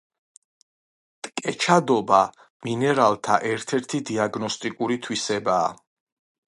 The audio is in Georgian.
ტკეჩადობა მინერალთა ერთ-ერთი დიაგნოსტიკური თვისებაა.